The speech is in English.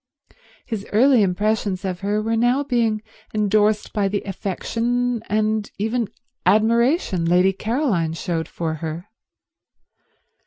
His early impressions of her were now being endorsed by the affection and even admiration Lady Caroline showed for her.